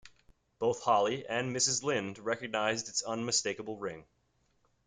Both Hollie and Mrs. Lynde recognized its unmistakable ring.